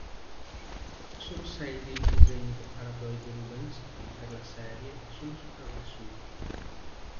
Solo sei dei disegni preparatori di Rubens, per la serie, sono sopravvissuti.